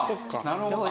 なるほど。